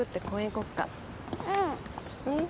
うん。